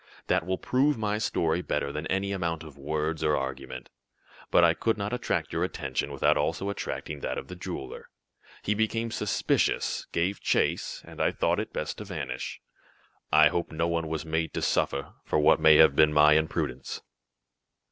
That will prove my story better than any amount of words or argument. But I could not attract your attention without also attracting that of the jeweler. He became suspicious, gave chase, and I thought it best to vanish. I hope no one was made to suffer for what may have been my imprudence."